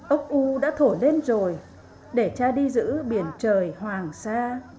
ốc u đã thổi lên rồi để cha đi giữ biển trời hoàng sa